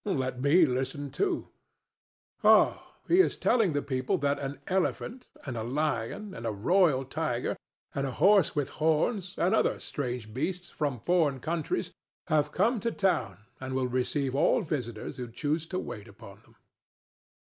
Let me listen too. Oh, he is telling the people that an elephant and a lion and a royal tiger and a horse with horns, and other strange beasts from foreign countries, have come to town and will receive all visitors who choose to wait upon them.